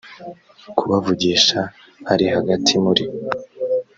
kubavugisha ari hagati muri